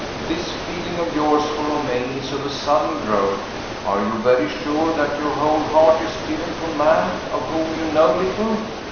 This feeling of yours for Romayne is of sudden growth. Are you very sure that your whole heart is given to a man of whom you know little?"